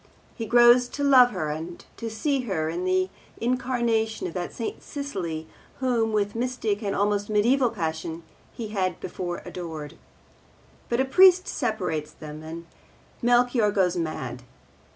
He grows to love her and to see in her the incarnation of that St. Cecily whom, with mystic and almost mediaeval passion, he had before adored. But a priest separates them, and Melchior goes mad.